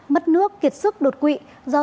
mất nước kiệt sức đột quỵ do